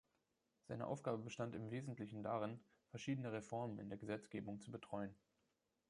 Seine Aufgabe bestand im Wesentlichen darin, verschiedene Reformen in der Gesetzgebung zu betreuen.